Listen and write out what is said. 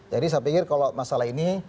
jadi saya pikir kalau masalah ini